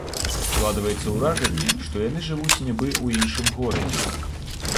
Складваецца ўражанне, што яны жывуць нібы ў іншым горадзе.